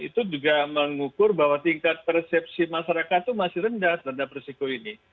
itu juga mengukur bahwa tingkat persepsi masyarakat itu masih rendah rendah risiko ini